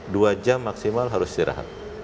dua jam maksimal harus istirahat